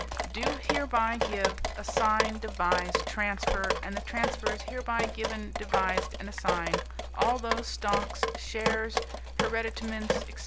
" do hereby give, assign, devise, transfer, and the transfer is hereby given, devised and assigned, all those stocks, shares, hereditaments, etc.